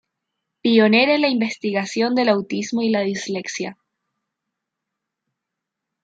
Pionera en la investigación del autismo y la dislexia.